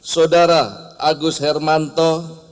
saudara agus hermanto